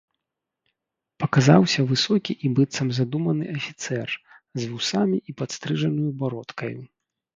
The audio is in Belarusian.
Паказаўся высокі і быццам задуманы афіцэр, з вусамі і падстрыжанаю бародкаю.